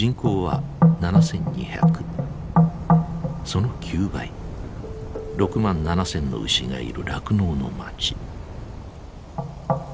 その９倍６万７，０００の牛がいる酪農の町。